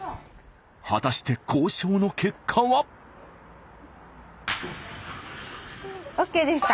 果たして交渉の結果は。ＯＫでした。